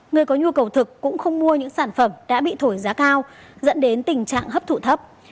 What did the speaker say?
người có nhu cầu thực cũng không mua những sản phẩm đã bị thổi giá cao dẫn đến tình trạng hấp thụ thấp